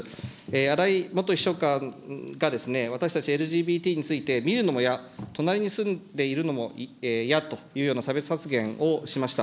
荒井元秘書官が、私たちＬＧＢＴについて、見るのもいや、隣に住んでいるのも嫌というような差別発言をしました。